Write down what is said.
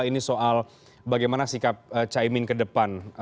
ini soal bagaimana sikap cak imin ke depan